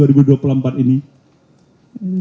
seakan akan ada hal yang extraordinary